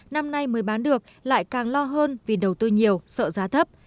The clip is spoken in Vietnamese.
năm nay mới bán được lại càng lo hơn vì đầu tư nhiều sợ giá thấp